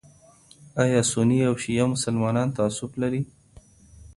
ایا سني او شیعه مسلمانان تعصب لري؟